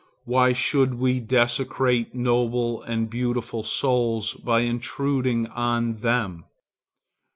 Why should we desecrate noble and beautiful souls by intruding on them?